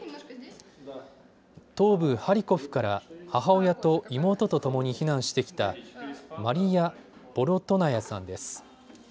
東部ハリコフから母親と妹とともに避難してきたマリヤ・ボロトナヤさんです。